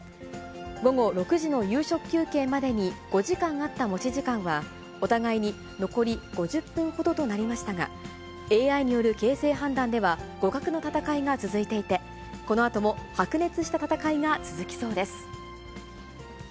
午後６時の夕食休憩までに５時間あった持ち時間は、お互いに残り５０分ほどとなりましたが、ＡＩによる形成判断では互角の戦いが続いていて、このあとも白熱した戦いが続きそうです。